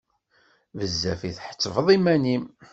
Bezzaf i tḥettbeḍ iman-im!